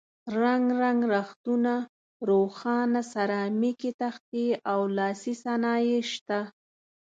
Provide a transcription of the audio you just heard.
رنګ رنګ رختونه، روښانه سرامیکي تختې او لاسي صنایع شته.